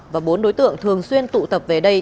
và bốn đối tượng thường xuyên tụ tập về đây